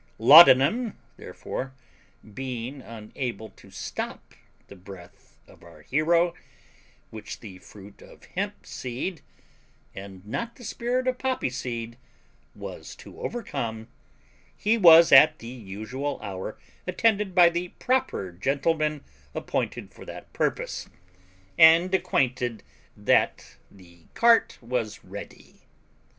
Laudanum, therefore, being unable to stop the breath of our hero, which the fruit of hemp seed, and not the spirit of poppy seed, was to overcome, he was at the usual hour attended by the proper gentleman appointed for that purpose, and acquainted that the cart was ready.